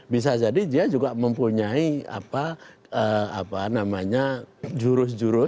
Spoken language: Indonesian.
bisa jadi dia juga mempunyai apa namanya jurus jurus